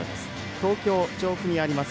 東京・調布にあります